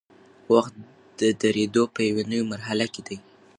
وخت د درېدو په یوې نوي مرحله کې دی.